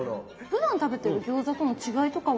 ふだん食べてる餃子との違いとかは？